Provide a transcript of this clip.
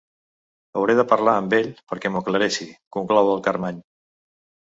Hauré de parlar amb ell perquè m'ho aclareixi —conclou el Carmany.